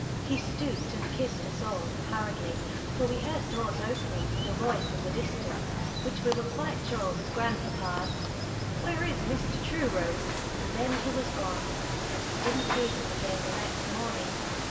He stooped and kissed us all, hurriedly, for we heard doors opening, and a voice in the distance, which we were quite sure was grandpapa's, "Where is Mr. Truro?" and then he was gone, and we didn't see him again the next morning.